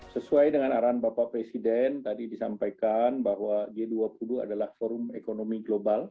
sesuai dengan arahan bapak presiden tadi disampaikan bahwa g dua puluh adalah forum ekonomi global